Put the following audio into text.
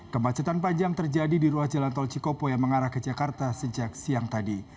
kemacetan panjang terjadi di ruas jalan tol cikopo yang mengarah ke jakarta sejak siang tadi